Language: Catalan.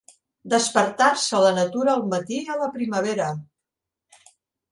Despertar-se la natura al matí, a la primavera.